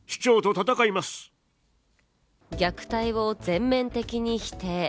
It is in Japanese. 虐待を全面的に否定。